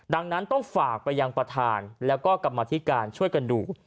ดังนั้นต้องฝากไปยังประธานแล้วก็กรรมธิการช่วยกันดู